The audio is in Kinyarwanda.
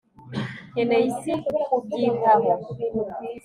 Nkeneye isi kubyitaho